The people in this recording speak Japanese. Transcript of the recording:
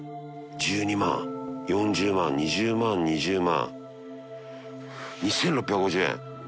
１２万４０万２０万２０万。